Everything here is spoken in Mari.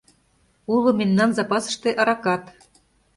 Уло мемнан запасыште аракат...